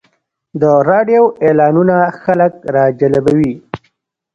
د راډیو اعلانونه خلک راجلبوي.